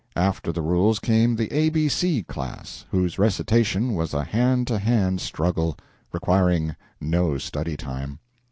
After the rules came the A B C class, whose recitation was a hand to hand struggle, requiring no study time.